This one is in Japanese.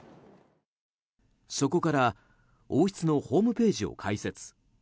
そこから王室のホームページを開設。